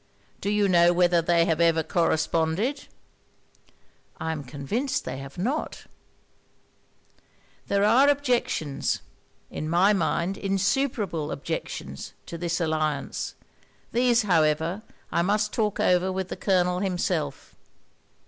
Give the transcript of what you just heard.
'Do you know whether they have ever corresponded?' 'I am convinced they have not.' 'There are objections, in my mind, insuperable objections, to this alliance. These, however, I must talk over with the Colonel himself.'